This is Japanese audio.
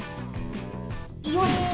よいしょ。